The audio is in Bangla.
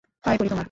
পায়ে পড়ি তোমার।